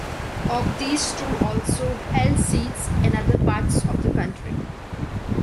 Of these two also held seats in other parts of the country.